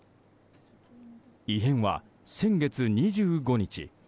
異変は先月２５日。